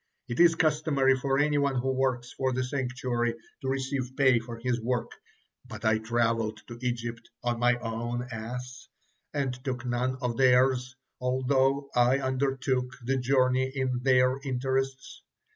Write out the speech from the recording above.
It is customary for anyone who works for the sanctuary to receive pay for his work, but I traveled to Egypt on my own ass, and took none of theirs, although I undertook the journey in their interests.